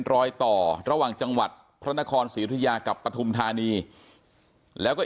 รอยต่อระหว่างจังหวัดพระนครศรีอุทยากับปฐุมธานีแล้วก็